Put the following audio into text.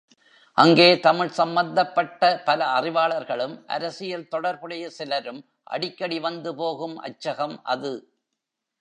அங்கே, தமிழ் சம்பந்தப்பட்ட பல அறிவாளர்களும், அரசியல் தொடர்புடைய சிலரும் அடிக்கடி வந்து போகும் அச்சகம் அது.